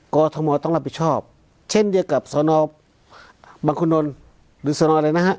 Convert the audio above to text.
กรทมต้องรับผิดชอบเช่นเดียวกับสนบังคุณนลหรือสนอะไรนะฮะ